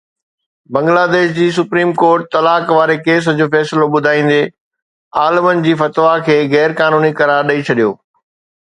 بنگلاديش جي supreme court طلاق واري ڪيس جو فيصلو ٻڌائيندي عالمن جي فتويٰ کي غير قانوني قرار ڏئي ڇڏيو